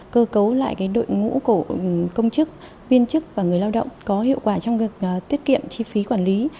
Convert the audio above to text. cơ cấu lại đội ngũ của công chức viên chức và người lao động có hiệu quả trong việc tiết kiệm chi phí quản lý